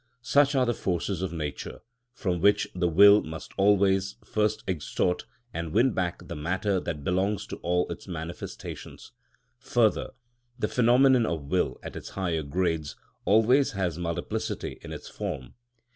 Such are the forces of nature, from which the will must always first extort and win back the matter that belongs to all its manifestations. Further, the phenomenon of will at its higher grades always has multiplicity in its form.